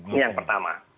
ini yang pertama